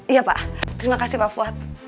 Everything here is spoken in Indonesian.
iya pak terima kasih pak fuad